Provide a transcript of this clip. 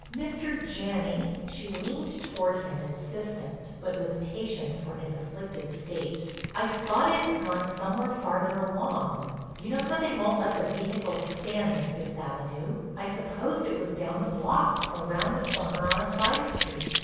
"Mr. Janney," she leaned toward him insistent, but with patience for his afflicted state, "I thought it had gone somewhere farther along. You know how they won't let the vehicles stand in Fifth Avenue. I supposed it was down the block or round the corner on a side street.